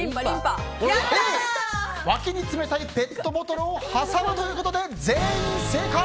Ａ、わきに冷たいペットボトルを挟むということで全員正解！